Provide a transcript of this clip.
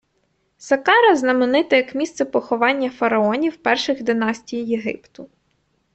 Саккара знаменита як місце поховання фараонів перших династій Єгипту.